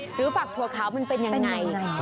ฝักถั่วขาวมันเป็นยังไง